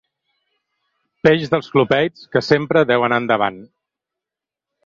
Peix dels clupeids que sempre deu anar endavant.